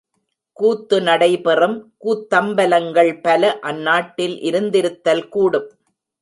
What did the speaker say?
கூத்து நடைபெறும் கூத்தம்பலங்கள் பல அந்நாட்டிலிருந் திருத்தல் கூடும்.